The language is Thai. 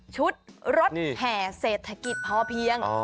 ชุดรถแห่เศรษฐกิจพอเพียง